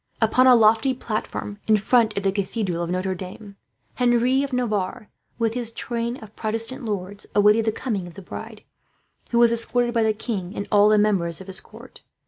Upon a lofty platform, in front of the Cathedral of Notre Dame, Henri of Navarre with his train of Protestant lords awaited the coming of the bride; who was escorted by the king, and all the members of his court.